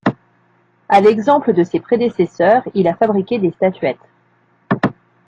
À l'exemple de ses prédécesseurs il a fabriqué des statuettes.